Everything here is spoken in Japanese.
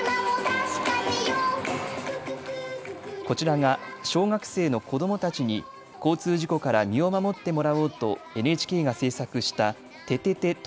こちらが小学生の子どもたちに交通事故から身を守ってもらおうとＮＨＫが制作したててて！